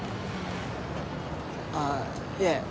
あっいえ